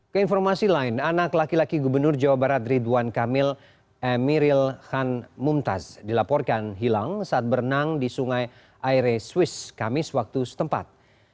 keinformasi lain anak laki laki gubernur jawa barat ridwan kamil emiril khan mumtaz dilaporkan hilang saat berenang di sungai aire swiss kamis waktu setempat